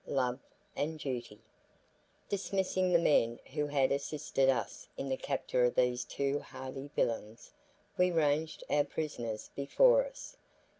LOVE AND DUTY Dismissing the men who had assisted us in the capture of these two hardy villains, we ranged our prisoners before us.